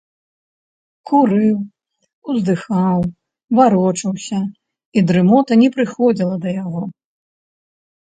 Курыў, уздыхаў, варочаўся, і дрымота не прыходзіла да яго.